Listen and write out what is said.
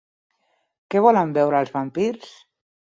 Què volen beure els vampirs?